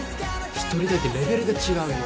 １人だけレベルが違うよ